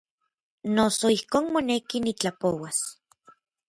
Noso ijkon moneki nitlapouas.